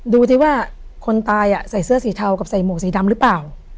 ดูสิว่าคนตายใส่เสื้อสีเทากับใส่หมวกสีดำหรือเปล่า